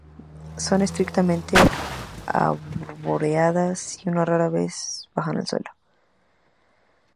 Son estrictamente arbóreas y muy rara vez bajan al suelo.